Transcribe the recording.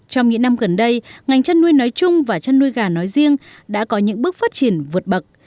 trong những năm gần đây ngành chăn nuôi nói chung và chăn nuôi gà nói riêng đã có những bước phát triển vượt bậc